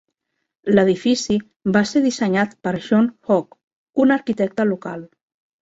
L"edifici va ser dissenyat per John Hogg, un arquitecte local.